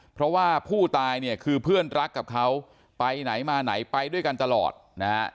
เพราะว่าผู้ตายเนี่ยคือเพื่อนรักกับเขาไปไหนมาไหนไปด้วยกันตลอดนะฮะ